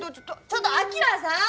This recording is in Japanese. ちょっと晶さん！？